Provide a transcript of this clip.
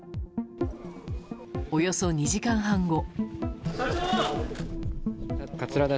およそ２時間半後。